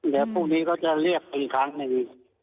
เดี๋ยวพรุ่งนี้เขาจะเรียกอีกครั้งหนึ่ง